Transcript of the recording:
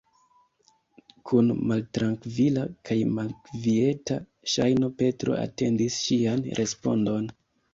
Kun maltrankvila kaj malkvieta ŝajno Petro atendis ŝian respondon.